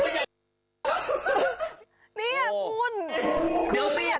จริงพี่